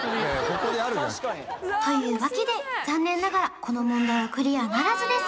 ここであるじゃんというわけで残念ながらこの問題はクリアならずです